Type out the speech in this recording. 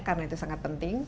karena itu sangat penting